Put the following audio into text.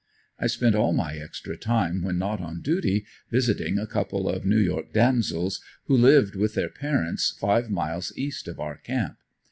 I spent all my extra time when not on duty, visiting a couple of New York damsels, who lived with their parents five miles east of our camp.